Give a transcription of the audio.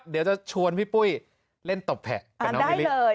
เดี๋ยวจะชวนพี่ปุ้ยเล่นตบแผะกับน้องมิลลิ